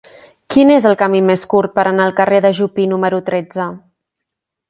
Quin és el camí més curt per anar al carrer de Jupí número tretze?